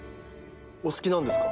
お好きなんですか？